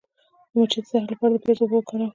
د مچۍ د زهر لپاره د پیاز اوبه وکاروئ